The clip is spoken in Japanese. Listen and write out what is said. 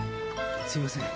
すいません。